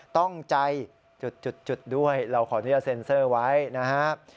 ต้องใจด้วยเราขอเรียกว่าเซ็นเซอร์ไว้นะฮะ